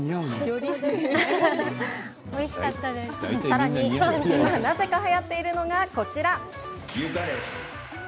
さらに、今なぜかはやっているのが、こちら。